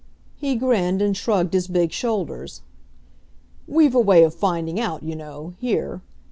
He grinned and shrugged his big shoulders. "We've a way of finding out, you know, here.